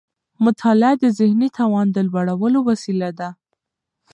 مطالعه د ذهني توان د لوړولو وسيله ده.